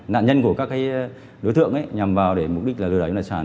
nạn nhân của các đối tượng nhằm vào để mục đích lừa đẩy đoàn sản